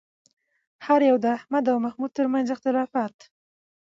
هر یو د احمد او محمود ترمنځ اختلافات